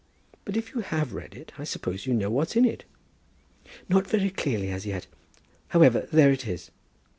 "But if you have read it, I suppose you know what's in it?" "Not very clearly, as yet. However, there it is."